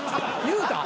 言うた？